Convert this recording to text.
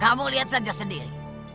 kamu lihat saja sendiri